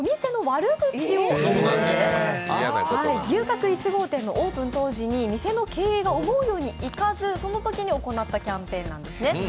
牛角１号店のオープン当時に店の経営が思うようにいかず、そのときに行ったキャンペーンなんですね。